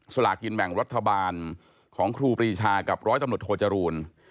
ลากินแบ่งรัฐบาลของครูปรีชากับร้อยตำรวจโทจรูล